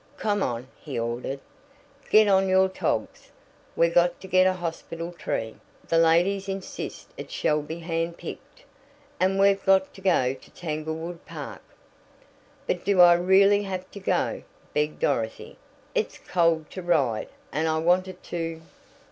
"Come on," he ordered, "get on your togs. We've got to get a hospital tree. The ladies insist it shall be handpicked, and we've got to go to Tanglewood Park." "But do I really have to go?" begged Dorothy. "It's cold to ride, and I wanted to